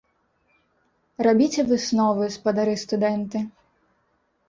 Рабіце высновы, спадары студэнты!